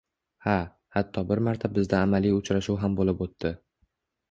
Ha, hatto bir marta bizda amaliy uchrashuv ham boʻlib oʻtdi.